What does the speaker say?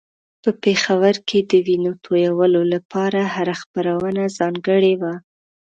په پېښور کې د وينو تویولو لپاره هره خپرونه ځانګړې وه.